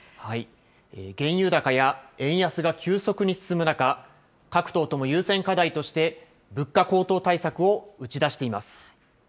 原油高や円安が急速に進む中、各党とも優先課題として、物価高騰対策を打ち出しています。